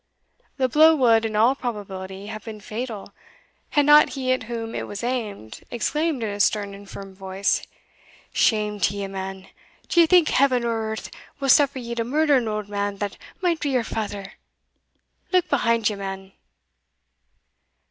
The blow would in all probability have been fatal, had not he at whom it was aimed exclaimed in a stern and firm voice, "Shame to ye, man! do ye think Heaven or earth will suffer ye to murder an auld man that might be your father? Look behind ye, man!"